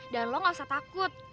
dan lo gak usah takut